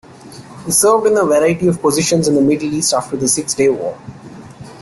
He served in a variety of positions in the Middle-East after the Six-day War.